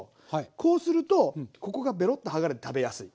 こうするとここがベロッと剥がれて食べやすい。